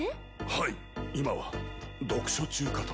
はい今は読書中かと。